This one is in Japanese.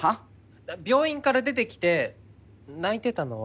病院から出てきて泣いてたのは？